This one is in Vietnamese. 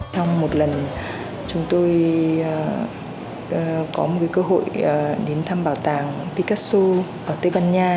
trong một lần chúng tôi có một cơ hội đến thăm bảo tàng picasso ở tây ban nha